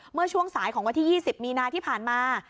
เมื่อช่วงสายของวันที่๒๐มีนาที่ผ่านมา